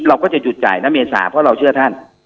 เราก็จะหยุดจ่ายนะเมษาเพราะเราเชื่อท่าน